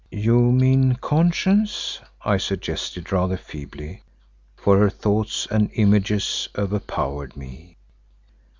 "You mean a conscience," I suggested rather feebly, for her thoughts and images overpowered me.